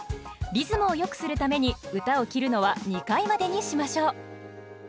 リズムをよくするために歌を切るのは２回までにしましょう。